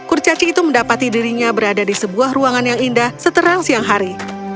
kurcaci itu mendapati dirinya berada di sebuah ruangan yang indah seterang siang hari